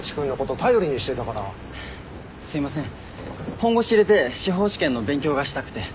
本腰入れて司法試験の勉強がしたくて。